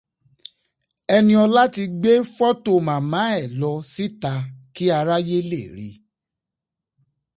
Ẹniọlá ti gbé fọ́tò màmá ẹ̀ lọ síta kí aráyé lè ríi